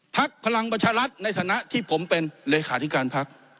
พลังประชารัฐในฐานะที่ผมเป็นเลขาธิการพัก